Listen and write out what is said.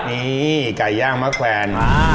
นี่ไก่ย่างมะแขวน